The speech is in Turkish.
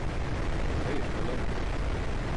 Hayır, kalamam.